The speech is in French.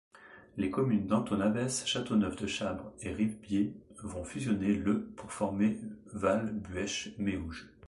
Les communes d'Antonaves, Châteauneuf-de-Chabre et Ribiers vont fusionner le pour former Val-Buëch-Méouge.